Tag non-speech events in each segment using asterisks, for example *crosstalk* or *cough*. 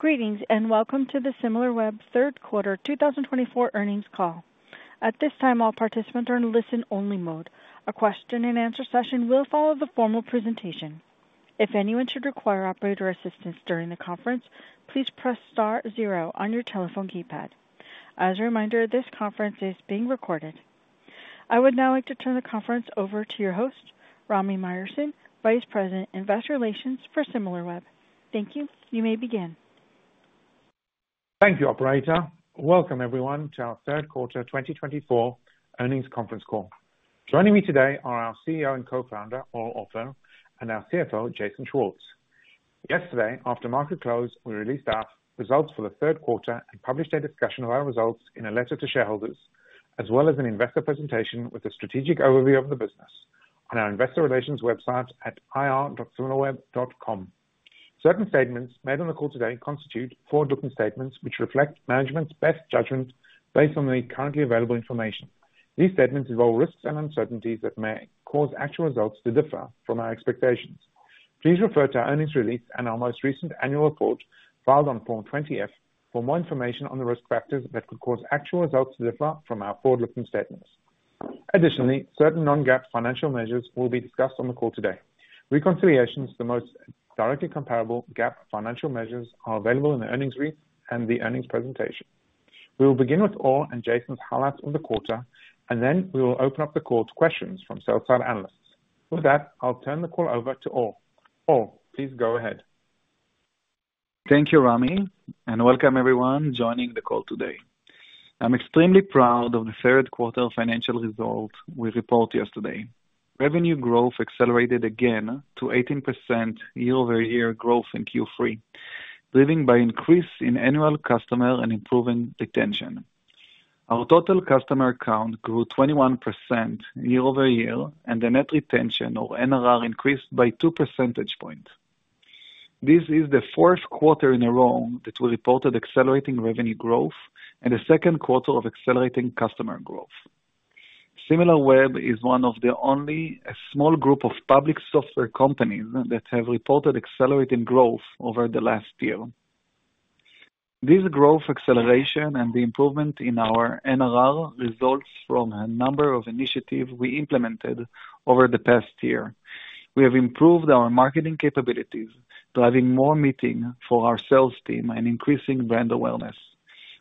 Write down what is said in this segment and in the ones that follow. Greetings and welcome to the Similarweb third quarter 2024 earnings call. At this time, all participants are in listen-only mode. A question-and-answer session will follow the formal presentation. If anyone should require operator assistance during the conference, please press star zero on your telephone keypad. As a reminder, this conference is being recorded. I would now like to turn the conference over to your host, Rami Myerson, Vice President, Investor Relations for Similarweb. Thank you. You may begin. Thank you, Operator. Welcome, everyone, to our third quarter 2024 earnings conference call. Joining me today are our CEO and Co-founder, Or Offer, and our CFO, Jason Schwartz. Yesterday, after market close, we released our results for the third quarter and published a discussion of our results in a letter to shareholders, as well as an investor presentation with a strategic overview of the business, on our investor relations website at ir.similarweb.com. Certain statements made on the call today constitute forward-looking statements which reflect management's best judgment based on the currently available information. These statements involve risks and uncertainties that may cause actual results to differ from our expectations. Please refer to our earnings release and our most recent annual report filed on Form 20-F for more information on the risk factors that could cause actual results to differ from our forward-looking statements. Additionally, certain non-GAAP financial measures will be discussed on the call today. Reconciliations to the most directly comparable GAAP financial measures are available in the earnings release and the earnings presentation. We will begin with Or and Jason's highlights of the quarter, and then we will open up the call to questions from sell-side analysts. With that, I'll turn the call over to Or Offer. Or, please go ahead. Thank you, Rami, and welcome everyone joining the call today. I'm extremely proud of the third quarter financial results we report yesterday. Revenue growth accelerated again to 18% year-over-year growth in Q3, driven by an increase in annual customer and improving retention. Our total customer count grew 21% year-over-year, and the net retention, or NRR, increased by 2 percentage points. This is the fourth quarter in a row that we reported accelerating revenue growth and the second quarter of accelerating customer growth. Similarweb is one of the only small group of public software companies that have reported accelerating growth over the last year. This growth acceleration and the improvement in our NRR results from a number of initiatives we implemented over the past year. We have improved our marketing capabilities, driving more meetings for our sales team and increasing brand awareness.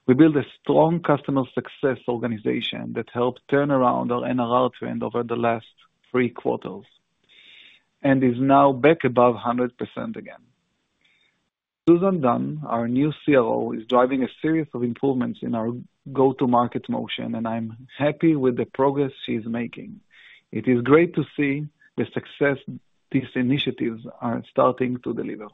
We built a strong customer success organization that helped turn around our NRR trend over the last three quarters and is now back above 100% again. Susan Dunn, our new Chief Revenue Officer, is driving a series of improvements in our go-to-market motion, and I'm happy with the progress she is making. It is great to see the success these initiatives are starting to deliver.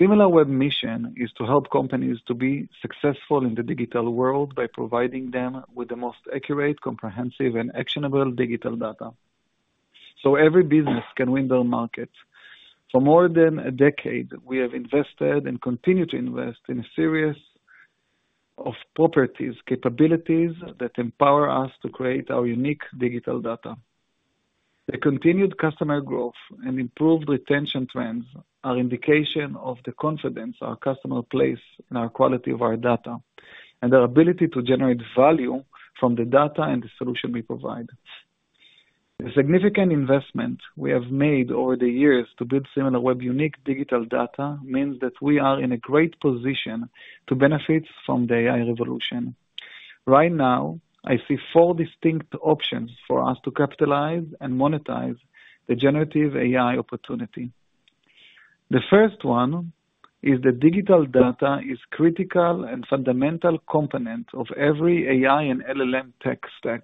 Similarweb's mission is to help companies to be successful in the digital world by providing them with the most accurate, comprehensive, and actionable digital data so every business can win their market. For more than a decade, we have invested and continue to invest in a series of proprietary capabilities that empower us to create our unique digital data. The continued customer growth and improved retention trends are an indication of the confidence our customers place in the quality of our data and their ability to generate value from the data and the solution we provide. The significant investment we have made over the years to build Similarweb's unique digital data means that we are in a great position to benefit from the AI revolution. Right now, I see four distinct options for us to capitalize and monetize the generative AI opportunity. The first one is that digital data is a critical and fundamental component of every AI and LLM tech stack,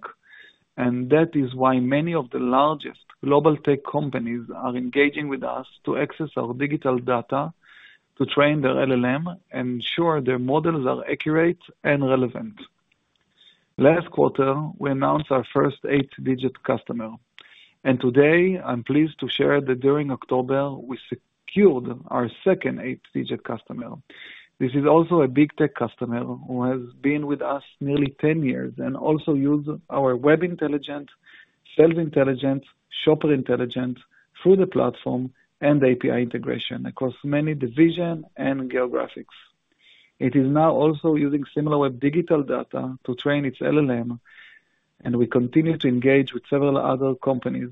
and that is why many of the largest global tech companies are engaging with us to access our digital data to train their LLM and ensure their models are accurate and relevant. Last quarter, we announced our first eight-digit customer, and today, I'm pleased to share that during October, we secured our second eight-digit customer. This is also a big tech customer who has been with us nearly 10 years and also uses our Web Intelligence, Sales Intelligence, Shopper Intelligence through the platform and API integration across many divisions and geographies. It is now also using Similarweb Digital Data to train its LLM. And we continue to engage with several other companies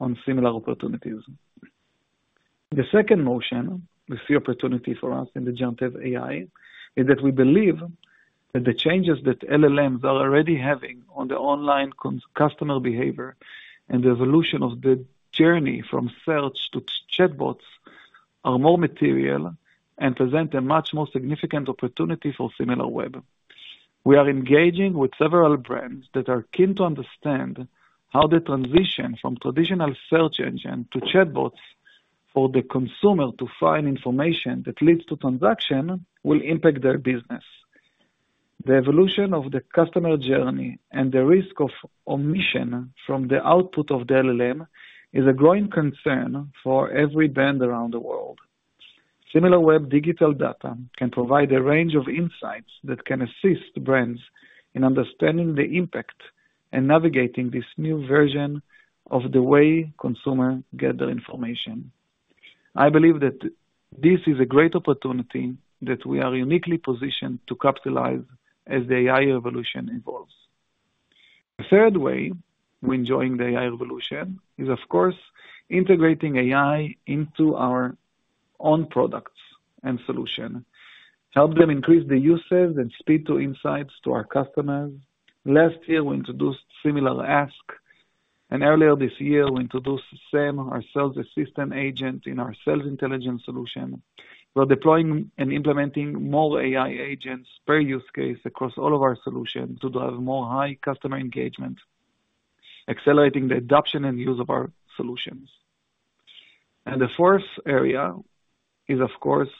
on similar opportunities. The second motion we see an opportunity for us in the gen AI is that we believe that the changes that LLMs are already having on the online customer behavior and the evolution of the journey from search to chatbots are more material and present a much more significant opportunity for Similarweb. We are engaging with several brands that are keen to understand how the transition from traditional search engines to chatbots for the consumer to find information that leads to transactions will impact their business. The evolution of the customer journey and the risk of omission from the output of the LLM is a growing concern for every brand around the world. Similarweb Digital Data can provide a range of insights that can assist brands in understanding the impact and navigating this new version of the way consumers get their information. I believe that this is a great opportunity that we are uniquely positioned to capitalize as the AI revolution evolves. The third way we're enjoying the AI revolution is, of course, integrating AI into our own products and solutions, helping them increase the usage and speed to insights to our customers. Last year, we introduced SimilarAsk, and earlier this year, we introduced SAM, our sales assistant agent, in our Sales Intelligence solution. We're deploying and implementing more AI agents per use case across all of our solutions to drive more high customer engagement, accelerating the adoption and use of our solutions. And the fourth area is, of course,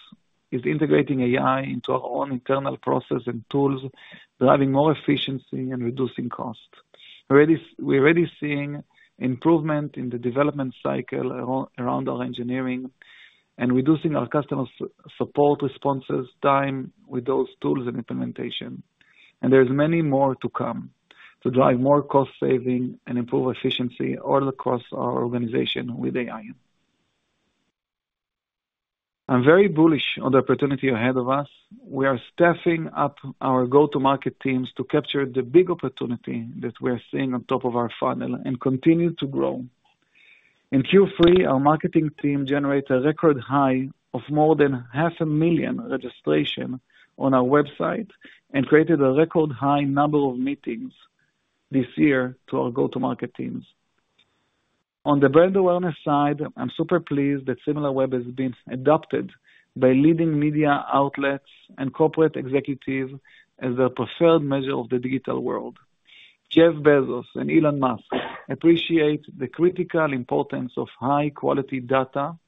integrating AI into our own internal processes and tools, driving more efficiency and reducing costs. We're already seeing improvement in the development cycle around our engineering and reducing our customer support responses time with those tools and implementation. And there's many more to come to drive more cost savings and improve efficiency all across our organization with AI. I'm very bullish on the opportunity ahead of us. We are staffing up our go-to-market teams to capture the big opportunity that we are seeing on top of our funnel and continue to grow. In Q3, our marketing team generated a record high of more than 500,000 registrations on our website and created a record-high number of meetings this year to our go-to-market teams. On the brand awareness side, I'm super pleased that Similarweb has been adopted by leading media outlets and corporate executives as their preferred measure of the digital world. Jeff Bezos and Elon Musk appreciate the critical importance of high-quality data,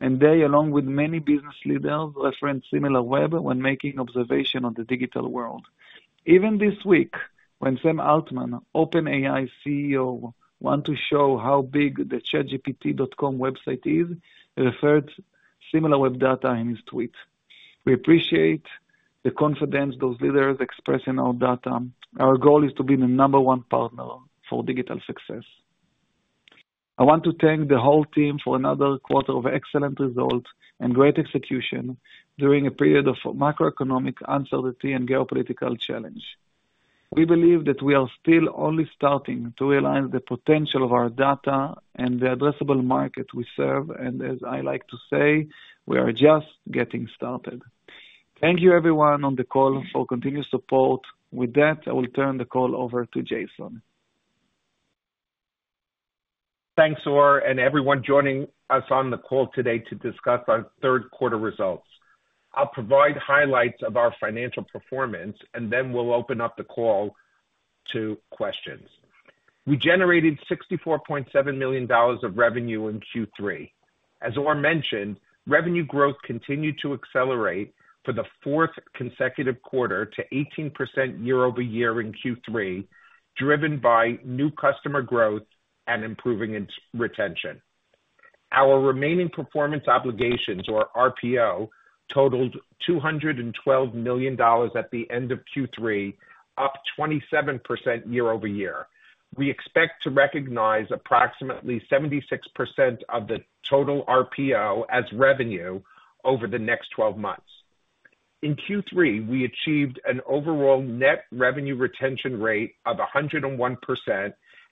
and they, along with many business leaders, reference Similarweb when making observations on the digital world. Even this week, when Sam Altman, OpenAI's CEO, when to show how big the chatgpt.com website is, he referred to Similarweb data in his tweet. We appreciate the confidence those leaders express in our data. Our goal is to be the number one partner for digital success. I want to thank the whole team for another quarter of excellent results and great execution during a period of macroeconomic uncertainty and geopolitical challenge. We believe that we are still only starting to realize the potential of our data and the addressable market we serve, and as I like to say, we are just getting started. Thank you, everyone on the call, for continued support. With that, I will turn the call over to Jason. Thanks, Or and everyone joining us on the call today to discuss our third quarter results. I'll provide highlights of our financial performance, and then we'll open up the call to questions. We generated $64.7 million of revenue in Q3. As Or mentioned, revenue growth continued to accelerate for the fourth consecutive quarter to 18% year-over-year in Q3, driven by new customer growth and improving retention. Our remaining performance obligations or RPO totaled $212 million at the end of Q3, up 27% year-over-year. We expect to recognize approximately 76% of the total RPO as revenue over the next 12 months. In Q3, we achieved an overall net revenue retention rate of 101%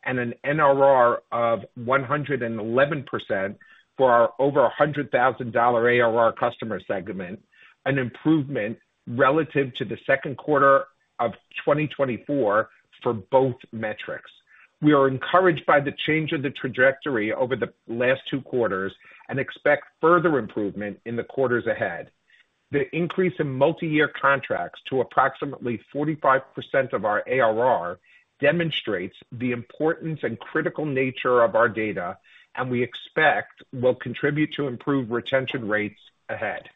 and an NRR of 111% for our over $100,000 ARR customer segment, an improvement relative to the second quarter of 2024 for both metrics. We are encouraged by the change of the trajectory over the last two quarters and expect further improvement in the quarters ahead. The increase in multi-year contracts to approximately 45% of our ARR demonstrates the importance and critical nature of our data, and we expect it will contribute to improved retention rates ahead.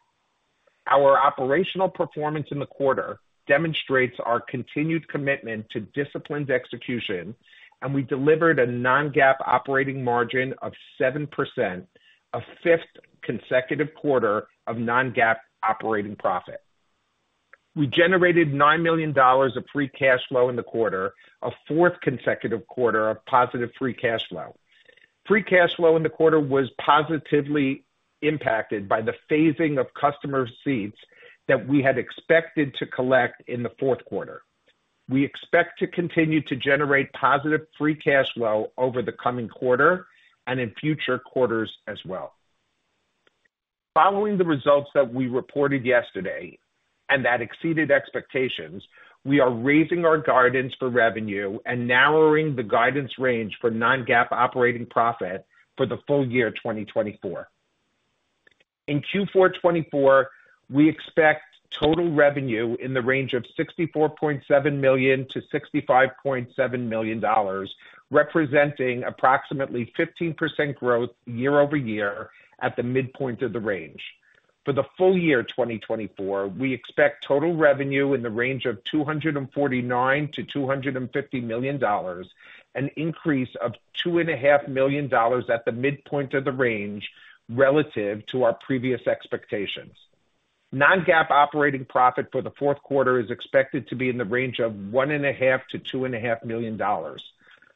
Our operational performance in the quarter demonstrates our continued commitment to disciplined execution, and we delivered a non-GAAP operating margin of 7%, a fifth consecutive quarter of non-GAAP operating profit. We generated $9 million of free cash flow in the quarter, a fourth consecutive quarter of positive free cash flow. Free cash flow in the quarter was positively impacted by the phasing of customer receipts that we had expected to collect in the fourth quarter. We expect to continue to generate positive free cash flow over the coming quarter and in future quarters as well. Following the results that we reported yesterday and that exceeded expectations, we are raising our guidance for revenue and narrowing the guidance range for non-GAAP operating profit for the full year 2024. In Q4 2024, we expect total revenue in the range of $64.7 million-$65.7 million, representing approximately 15% growth year-over-year at the midpoint of the range. For the full year 2024, we expect total revenue in the range of $249 million-$250 million, an increase of $2.5 million at the midpoint of the range relative to our previous expectations. Non-GAAP operating profit for the fourth quarter is expected to be in the range of $1.5 million-$2.5 million.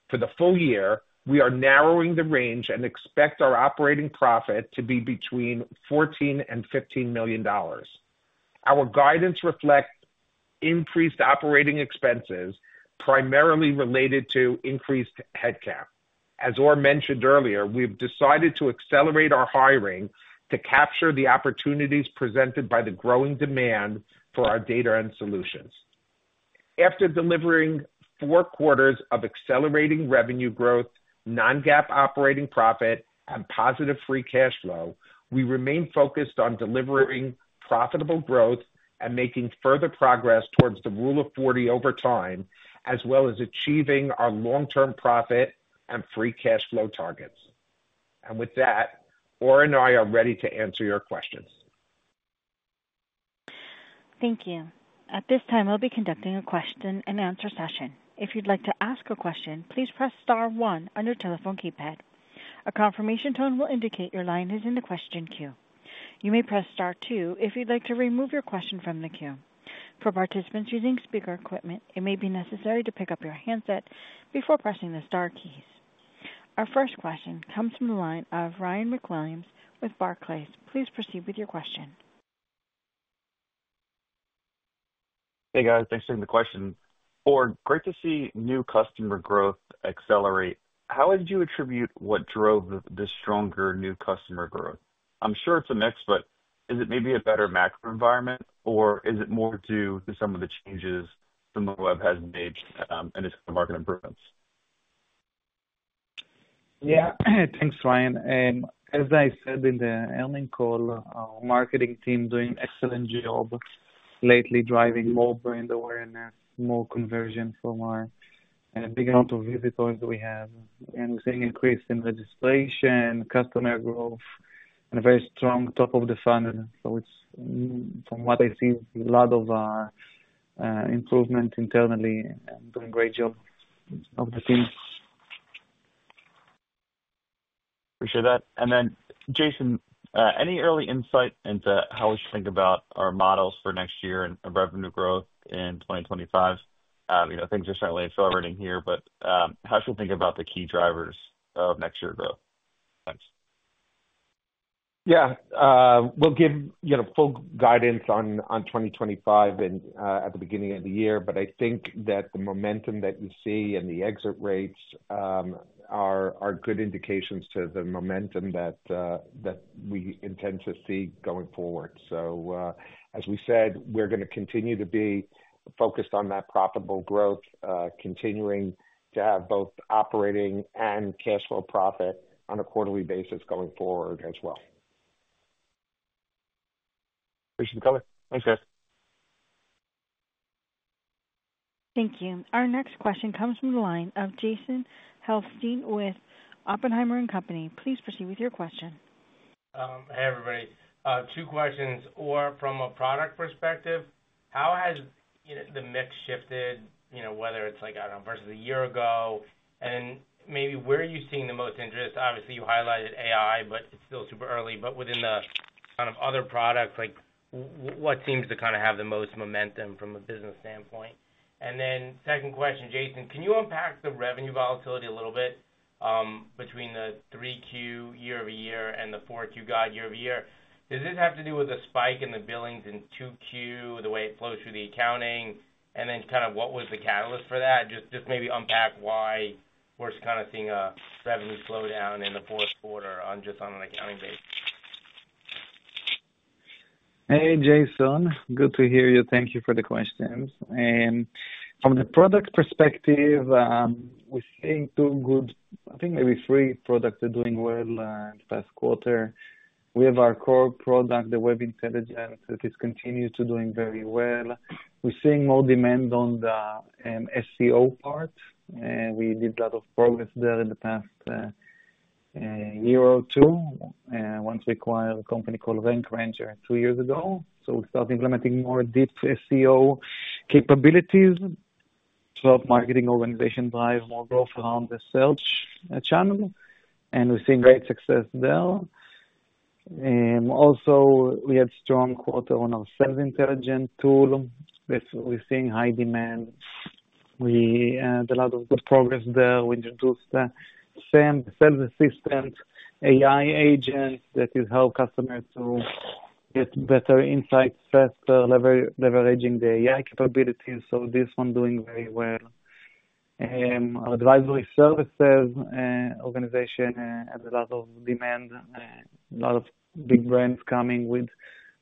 For the full year, we are narrowing the range and expect our operating profit to be between $14 million and $15 million. Our guidance reflects increased operating expenses, primarily related to increased headcount. As Or mentioned earlier, we've decided to accelerate our hiring to capture the opportunities presented by the growing demand for our data and solutions. After delivering four quarters of accelerating revenue growth, non-GAAP operating profit, and positive free cash flow, we remain focused on delivering profitable growth and making further progress towards the Rule of 40 over time, as well as achieving our long-term profit and free cash flow targets. And with that, Or and I are ready to answer your questions. Thank you. At this time, we'll be conducting a question-and-answer session. If you'd like to ask a question, please press star one on your telephone keypad. A confirmation tone will indicate your line is in the question queue. You may press star two if you'd like to remove your question from the queue. For participants using speaker equipment, it may be necessary to pick up your handset before pressing the star keys. Our first question comes from the line of Ryan MacWilliams with Barclays. Please proceed with your question. Hey, guys. Thanks for taking the question. Or, great to see new customer growth accelerate. How would you attribute what drove this stronger new customer growth? I'm sure it's a mix, but is it maybe a better macro environment, or is it more due to some of the changes Similarweb has made and it's the market improvements? Yeah. Thanks, Ryan. As I said in the earnings call, our marketing team is doing an excellent job lately driving more brand awareness, more conversion from our big amount of visitors we have, and we're seeing an increase in registration, customer growth, and a very strong top of the funnel. So it's, from what I see, a lot of improvement internally and a great job of the team. Appreciate that. And then Jason, any early insight into how we should think about our models for next year and revenue growth in 2025? Things are certainly accelerating here, but how should we think about the key drivers of next year's growth? Thanks. Yeah. We'll give full guidance on 2025 at the beginning of the year, but I think that the momentum that you see and the exit rates are good indications of the momentum that we intend to see going forward. So as we said, we're going to continue to be focused on that profitable growth, continuing to have both operating and cash flow profit on a quarterly basis going forward as well. Appreciate the color. Thanks, guys. Thank you. Our next question comes from the line of Jason Helfstein with Oppenheimer & Co. Please proceed with your question. Hey, everybody. Two questions. Or, from a product perspective, how has the mix shifted, whether it's versus a year ago? And maybe where are you seeing the most interest? Obviously, you highlighted AI, but it's still super early. But within the kind of other products, what seems to kind of have the most momentum from a business standpoint? And then second question, Jason, can you unpack the revenue volatility a little bit between the 3Q year-over-year and the 4Q guide year-over-year? Does this have to do with a spike in the billings in 2Q, the way it flows through the accounting? And then kind of what was the catalyst for that? Just maybe unpack why we're kind of seeing a revenue slowdown in the fourth quarter just on an accounting basis. Hey, Jason. Good to hear you. Thank you for the questions. From the product perspective, we're seeing two good, I think maybe three, products that are doing well in the past quarter. We have our core product, the Web Intelligence, that has continued to be doing very well. We're seeing more demand on the SEO part. We did a lot of progress there in the past year or two once we acquired a company called Rank Ranger two years ago. So we started implementing more deep SEO capabilities to help marketing organizations drive more growth around the search channel, and we've seen great success there. Also, we had a strong quarter on our Sales Intelligence tool. We're seeing high demand. We had a lot of good progress there. We introduced the SAM sales assistant AI agent that has helped customers to get better insights faster, leveraging the AI capabilities. So this one is doing very well. Our advisory services organization has a lot of demand, a lot of big brands coming with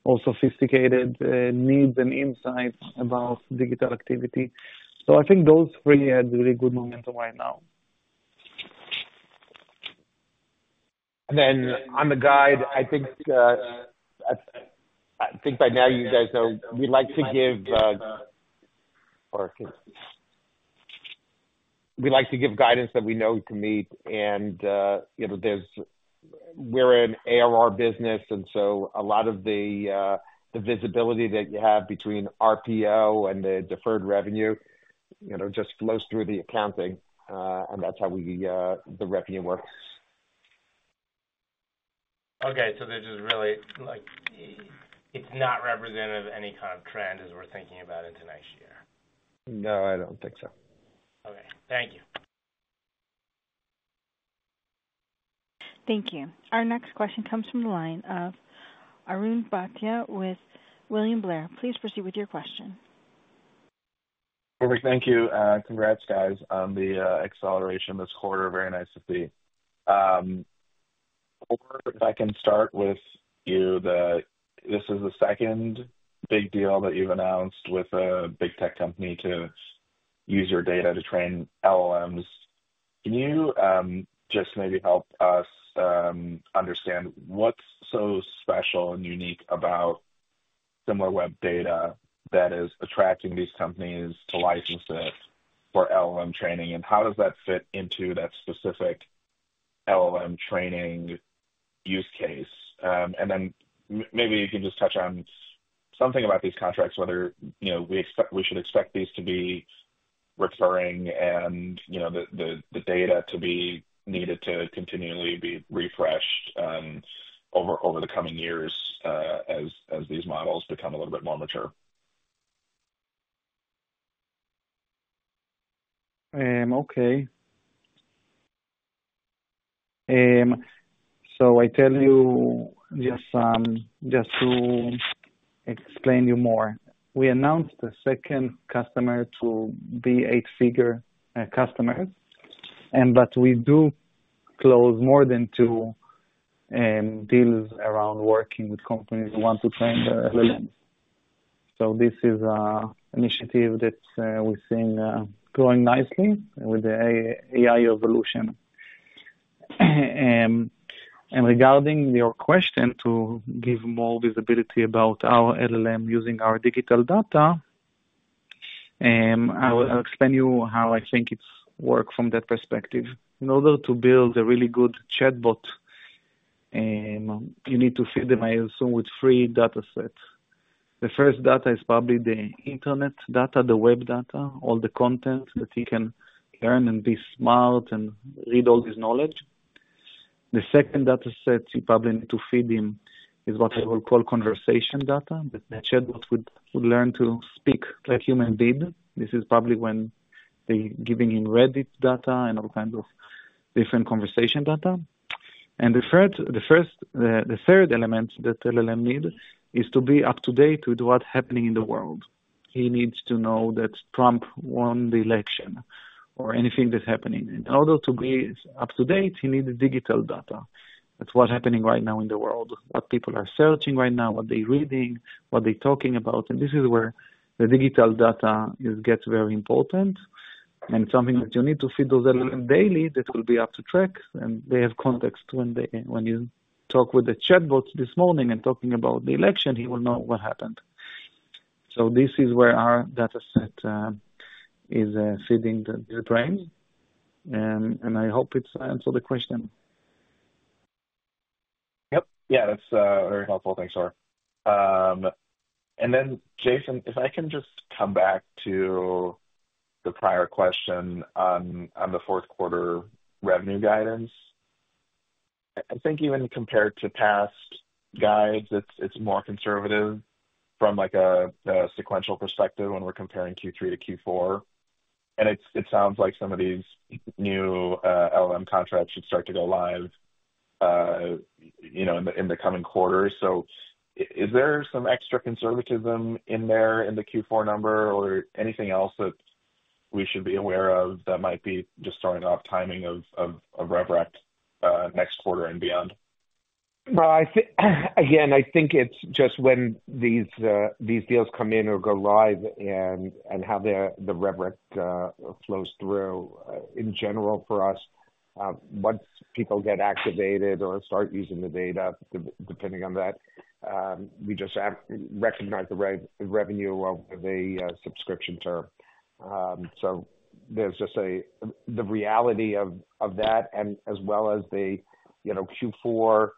all sophisticated needs and insights about digital activity. So I think those three have really good momentum right now. And then on the guidance, I think by now you guys know we'd like to give guidance that we know to meet. And we're an ARR business, and so a lot of the visibility that you have between RPO and the deferred revenue just flows through the accounting, and that's how the revenue works. Okay. So this is really it's not representative of any kind of trend as we're thinking about into next year. No, I don't think so. Okay. Thank you. Thank you. Our next question comes from the line of Arjun Bhatia with William Blair. Please proceed with your question. Thank you. Congrats, guys, on the acceleration this quarter. Very nice to see. Or, if I can start with you, this is the second big deal that you've announced with a big tech company to use your data to train LLMs. Can you just maybe help us understand what's so special and unique about Similarweb data that is attracting these companies to license it for LLM training, and how does that fit into that specific LLM training use case? And then maybe you can just touch on something about these contracts, whether we should expect these to be recurring and the data to be needed to continually be refreshed over the coming years as these models become a little bit more mature. Okay, so I tell you just to explain you more. We announced a second customer to be eight-figure customer, but we do close more than two deals around working with companies who want to train their LLMs. So this is an initiative that we've seen growing nicely with the AI evolution. And regarding your question to give more visibility about our LLM using our digital data, I'll explain to you how I think it works from that perspective. In order to build a really good chatbot, you need to feed them, I assume, with three datasets. The first data is probably the Internet data, the web data, all the content that you can learn and be smart and read all this knowledge. The second dataset you probably need to feed them is what I will call conversation data, that the chatbot would learn to speak like human being. This is probably when they're giving him Reddit data and all kinds of different conversation data. And the third element that LLM needs is to be up to date with what's happening in the world. He needs to know that Trump won the election or anything that's happening. In order to be up to date, he needs digital data. That's what's happening right now in the world, what people are searching right now, what they're reading, what they're talking about. And this is where the digital data gets very important. And it's something that you need to feed those LLMs daily that will be up to track, and they have context. When you talk with the chatbot this morning and talk about the election, he will know what happened. So this is where our dataset is feeding the brain, and I hope it answered the question. Yep. Yeah. That's very helpful. Thanks, Or. And then, Jason, if I can just come back to the prior question on the fourth quarter revenue guidance. I think, even compared to past guides, it's more conservative from a sequential perspective when we're comparing Q3 to Q4. And it sounds like some of these new LLM contracts should start to go live in the coming quarters, so is there some extra conservatism in there in the Q4 number or anything else that we should be aware of that might be just throwing off timing of rev rec next quarter and beyond? Again, I think it's just when these deals come in or go live and how the rev rec flows through. In general, for us, once people get activated or start using the data, depending on that, we just recognize the revenue of the subscription term. There's just the reality of that and as well as the Q4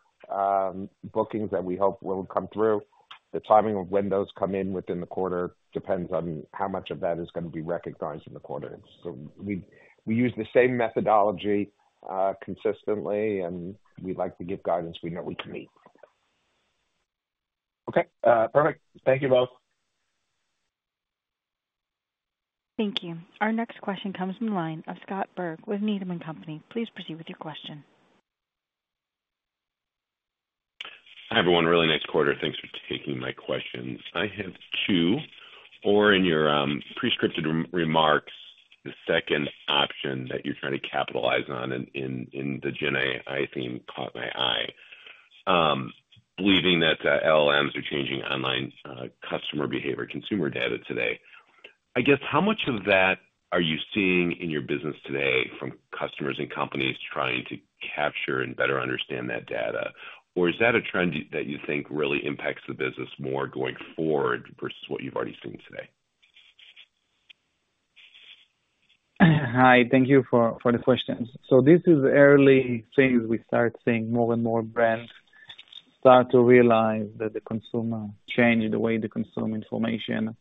bookings that we hope will come through. The timing of when those come in within the quarter depends on how much of that is going to be recognized in the quarter. We use the same methodology consistently, and we'd like to give guidance we know we can meet. Okay. Perfect. Thank you both. Thank you. Our next question comes from the line of Scott Berg with Needham & Company. Please proceed with your question. Hi, everyone. Really nice quarter. Thanks for taking my questions. I have two. Or, in your pre-scripted remarks, the second option that you're trying to capitalize on in the gen AI theme caught my eye, believing that LLMs are changing online customer behavior, consumer data today. I guess, how much of that are you seeing in your business today from customers and companies trying to capture and better understand that data? Or is that a trend that you think really impacts the business more going forward versus what you've already seen today? Hi. Thank you for the questions. So this is early things. We start seeing more and more brands start to realize that the consumer change the way they consume information.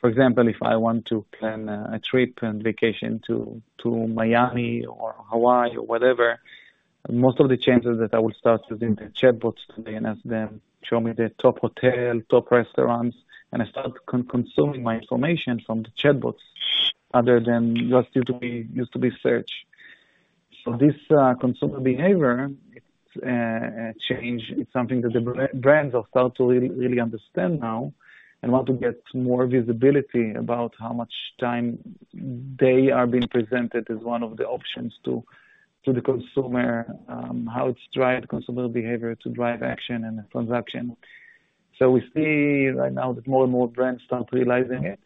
For example, if I want to plan a trip and vacation to Miami or Hawaii or whatever, most of the chance is that I will start using the chatbots today and ask them to show me the top hotel, top restaurants, and I start consuming my information from the chatbots other than just using the search. So this consumer behavior, it's changed. It's something that the brands have started to really understand now and want to get more visibility about how much time they are being presented as one of the options to the consumer, how it's driving consumer behavior to drive action and transaction. We see right now that more and more brands start realizing it,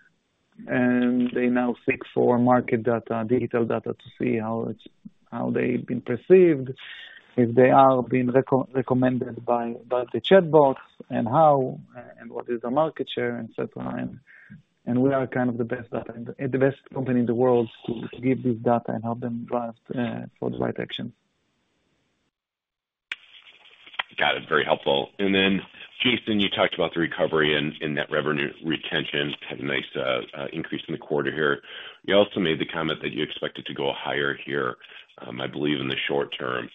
and they now seek for market data, digital data, to see how they've been perceived, if they are being recommended by the chatbots, and how, and what is the market share, etc. We are kind of the best company in the world to give this data and help them drive towards the right action. Got it. Very helpful. And then, Jason, you talked about the recovery in net revenue retention, had a nice increase in the quarter here. You also made the comment that you expect it to go higher here, I believe, in the short term.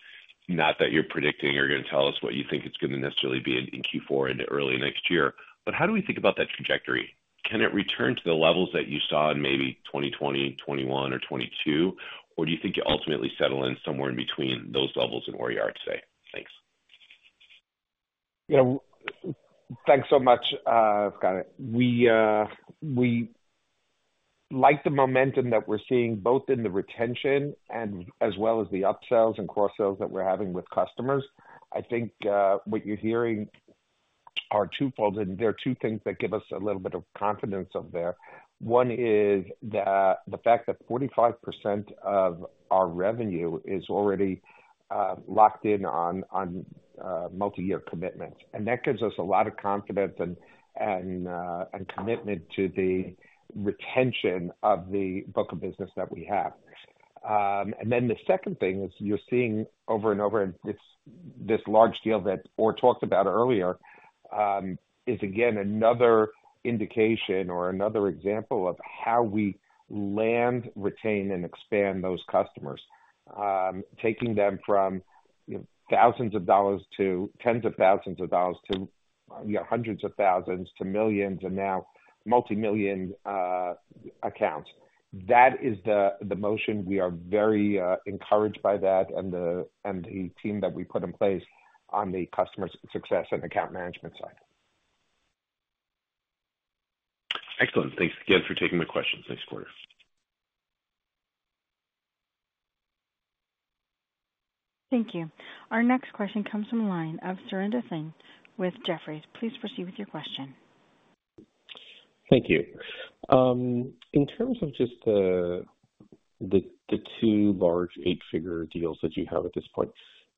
Not that you're predicting or going to tell us what you think it's going to necessarily be in Q4, into early next year, but how do we think about that trajectory? Can it return to the levels that you saw in maybe 2020, 2021, or 2022? Or do you think it ultimately settles in somewhere in between those levels and where you are today? Thanks. Yeah. Thanks so much, Scott. We like the momentum that we're seeing both in the retention as well as the upsells and cross-sells that we're having with customers. I think what you're hearing are twofold, and there are two things that give us a little bit of confidence of that. One is the fact that 45% of our revenue is already locked in on multi-year commitments, and that gives us a lot of confidence and commitment to the retention of the book of business that we have. And then the second thing is you're seeing over and over. And this large deal that Or talked about earlier is, again, another indication or another example of how we land, retain, and expand those customers, taking them from thousands of dollars to tens of thousands of dollars to hundreds of thousands to millions and now multi-million accounts. That is the motion. We are very encouraged by that and the team that we put in place on the customer success and account management side. Excellent. Thanks again for taking my questions. Nice quarter. Thank you. Our next question comes from the line of Surinder Thind with Jefferies. Please proceed with your question. Thank you. In terms of just the two large eight-figure deals that you have at this point,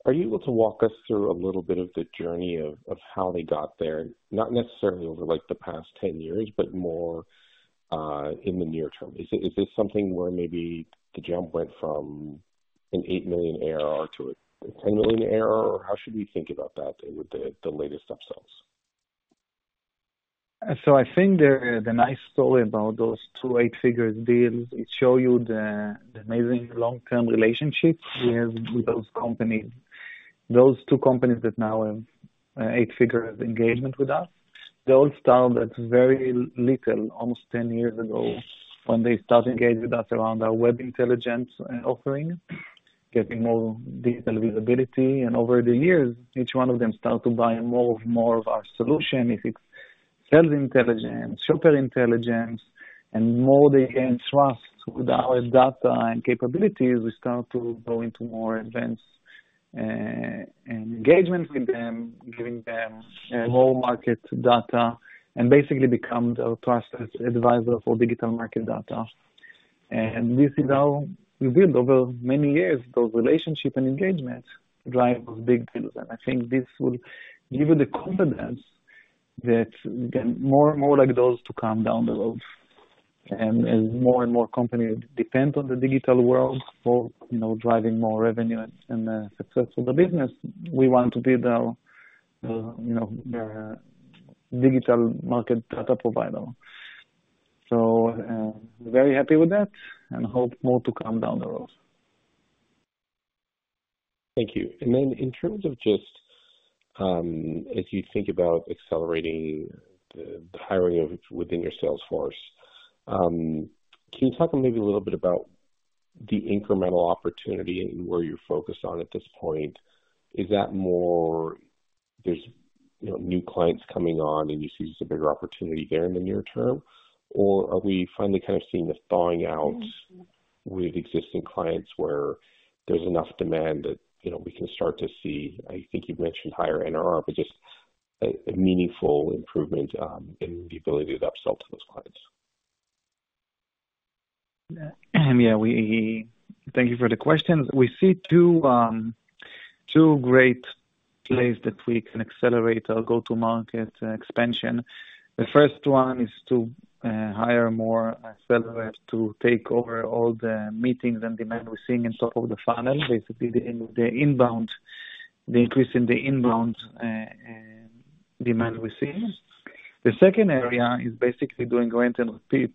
are you able to walk us through a little bit of the journey of how they got there, not necessarily over the past 10 years but more in the near term? Is this something where maybe the jump went from an $8 million ARR to a $10 million ARR? Or how should we think about that with the latest upsells? I think the nice story about those two eight-figure deals is to show you the amazing long-term relationship we have with those companies. Those two companies that now have eight-figure engagement with us, they all started very little almost 10 years ago, when they started engaging with us around our Web Intelligence offering, getting more digital visibility. Over the years, each one of them started to buy more and more of our solution, if it's Sales Intelligence, Shopper Intelligence. The more they gain trust with our data and capabilities, we start to go into more advanced engagement with them, giving them more market data, and basically become their trusted advisor for digital market data. This is how we build, over many years, those relationships and engagements, drive those big deals. I think this will give you the confidence that more and more like those to come down the road. As more and more companies depend on the digital world for driving more revenue and success for the business, we want to be their digital market data provider. We're very happy with that and hope more to come down the road. Thank you. And then in terms of just as you think about accelerating the hiring within your sales force, can you talk maybe a little bit about the incremental opportunity and where you're focused on at this point? Is that more there's new clients coming on and you see just a bigger opportunity there in the near term? Or are we finally kind of seeing the thawing out with existing clients where there's enough demand that we can start to see? I think you've mentioned higher NRR, but just a meaningful improvement in the ability to upsell to those clients. Yeah. Thank you for the questions. We see two great ways that we can accelerate our go-to-market expansion. The first one is to hire more sellers to take over all the meetings and demand we're seeing on top of the funnel, basically the increase in the inbound demand we're seeing. The second area is basically doing rinse and repeat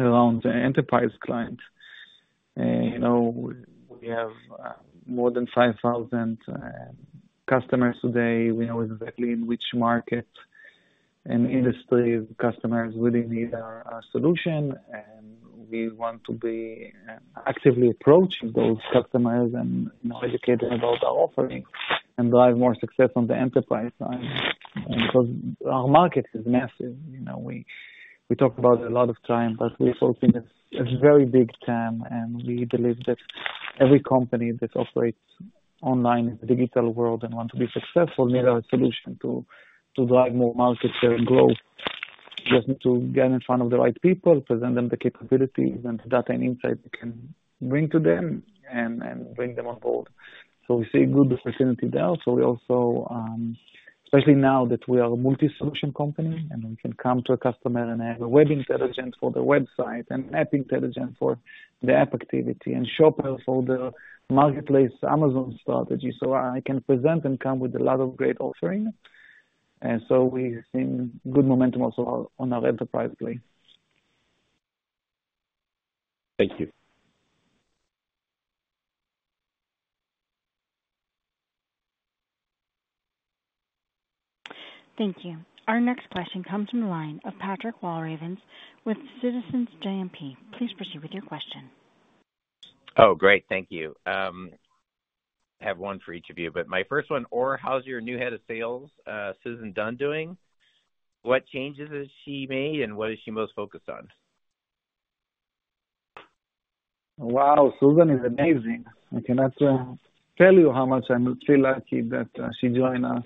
around enterprise clients. We have more than 5,000 customers today. We know exactly in which market and industry customers really need our solution. And we want to be actively approaching those customers and educating about our offering and drive more success on the enterprise side because our market is massive. We talk about it a lot of times, but we're focusing on a very big TAM. We believe that every company that operates online in the digital world and wants to be successful needs a solution to drive more market share growth. We just need to get in front of the right people, present them the capabilities and the data and insights we can bring to them and bring them on board. We see a good opportunity there. We also especially now that we are a multi-solution company and we can come to a customer and have a Web Intelligence for the website and App Intelligence for the app activity and shopper for the marketplace Amazon strategy. I can present and come with a lot of great offering. We've seen good momentum also on our enterprise play. Thank you. Thank you. Our next question comes from the line of Patrick Walravens with Citizens JMP. Please proceed with your question. Oh, great. Thank you. I have one for each of you. But my first one, Or, how's your new Head of Sales, Susan Dunn, doing? What changes has she made, and what is she most focused on? Wow. Susan is amazing. I cannot tell you how much I'm truly lucky that she joined us,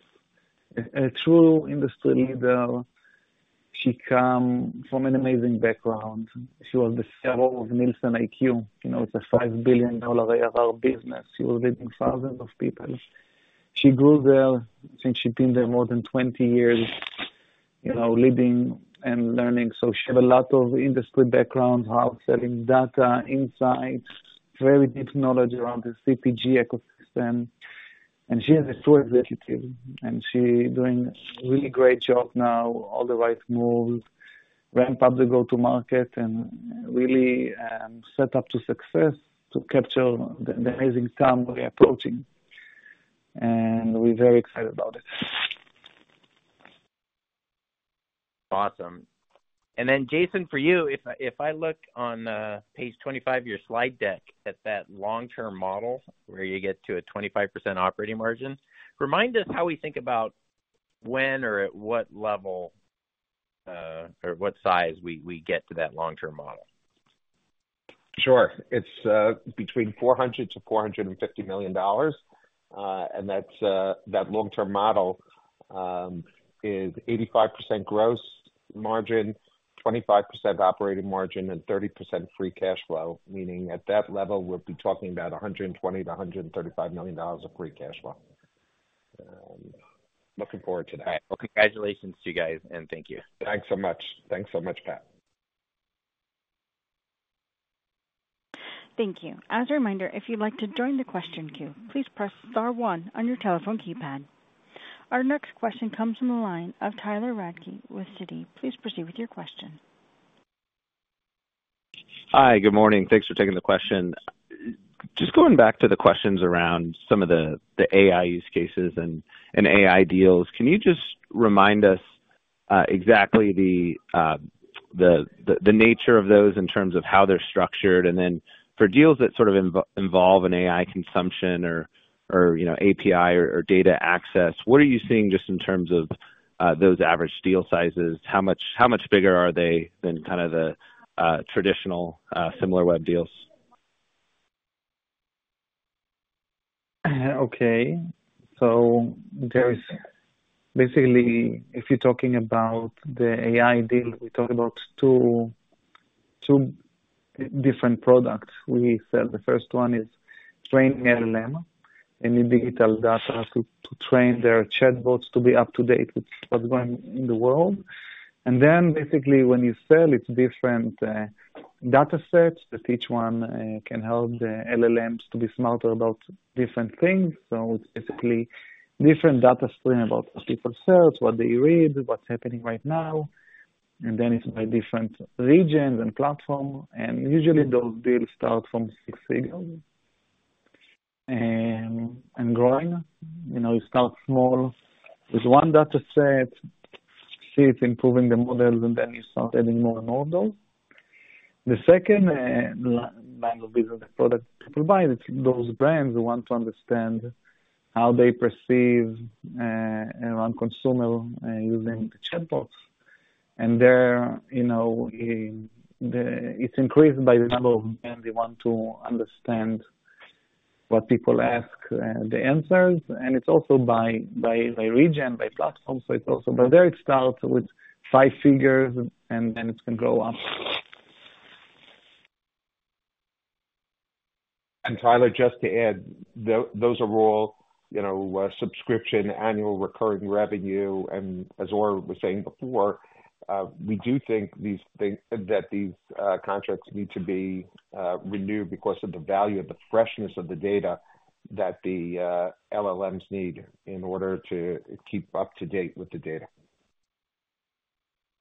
a true industry leader. She comes from an amazing background. She was the CRO of NielsenIQ. It's a $5 billion ARR business. She was leading thousands of people. She grew there. I think she'd been there more than 20 years leading and learning, so she has a lot of industry background, have selling data, insights, very deep knowledge around the CPG ecosystem. And she is a true executive, and she's doing a really great job now, all the right moves, ramp up the go-to-market, and really set up to success to capture the amazing TAM we're approaching, and we're very excited about it. Awesome. And then, Jason, for you, if I look on page 25 of your slide deck, at that long-term model where you get to a 25% operating margin, remind us how we think about when or at what level or what size we get to that long-term model. Sure. It's between $400 million-$450 million. And that long-term model is 85% gross margin, 25% operating margin, and 30% free cash flow, meaning at that level, we'll be talking about $120 million-$135 million of free cash flow. Looking forward to that. Congratulations to you guys, and thank you. Thanks so much. Thanks so much, Pat. Thank you. As a reminder, if you'd like to join the question queue, please press star one on your telephone keypad. Our next question comes from the line of Tyler Radke with Citi. Please proceed with your question. Hi. Good morning. Thanks for taking the question. Just going back to the questions around some of the AI use cases and AI deals, can you just remind us exactly the nature of those in terms of how they're structured? And then for deals that sort of involve an AI consumption or API or data access, what are you seeing just in terms of those average deal sizes? How much bigger are they than kind of the traditional Similarweb deals? Okay. So basically, if you're talking about the AI deal, we talk about two different products we sell. The first one is training LLMs and digital data to train their chatbots to be up to date with what's going on in the world. And then basically, when you sell, it's different datasets that each one can help the LLMs to be smarter about different things. So it's basically different data streams about what people search, what they read, what's happening right now. And then it's by different regions and platforms. And usually, those deals start from six figures and growing. You start small with one dataset, see it's improving the models, and then you start adding more and more of those. The second line of business, the product people buy, it's those brands who want to understand how they perceive around consumer using the chatbots. It's increased by the number of brands they want to understand what people ask, the answers. It's also by region, by platform. It's also by there. It starts with five figures, and then it can grow up. Tyler, just to add, those are all subscription annual recurring revenue. As Or was saying before, we do think that these contracts need to be renewed because of the value of the freshness of the data that the LLMs need in order to keep up to date with the data. *audio distortion*